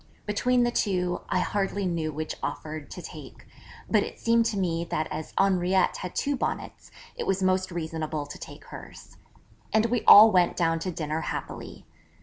Between the two, I hardly knew which offer to take, but it seemed to me that as Henriette had two Bonnets, it was most reasonable to take hers. And we all went down to dinner happily.